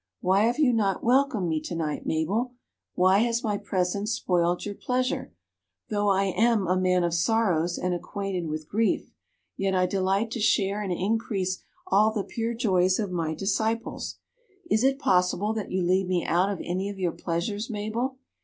Why have you not welcomed me tonight, Mabel? Why has my presence spoiled your pleasure? Though I am "a Man of sorrows, and acquainted with grief," yet I delight to share and increase all the pure joys of my disciples. Is it possible that you leave me out of any of your pleasures, Mabel?